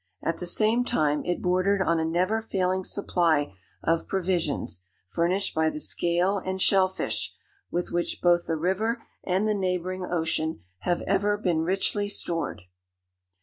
At the same time, it bordered on a never failing supply of provisions, furnished by the scale and shell fish, with which both the river and the neighbouring ocean have ever been richly stored.